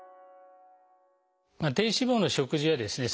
低脂肪の食事はですね